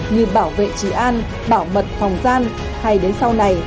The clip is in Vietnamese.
như bảo vệ trí an bảo mật phòng gian hay đến sau này